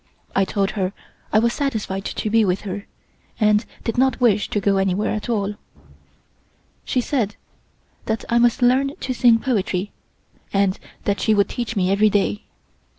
I told her I was satisfied to be with her, and did not wish to go anywhere at all. She said that I must learn to sing poetry and that she would teach me every day.